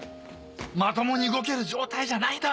まともに動ける状態じゃないだろ！